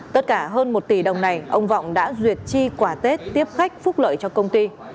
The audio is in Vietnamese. tất cả hơn một tỷ đồng này ông vọng đã duyệt chi quả tết tiếp khách phúc lợi cho công ty